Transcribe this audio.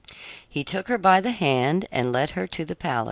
He took her by the hand and led her to the palace.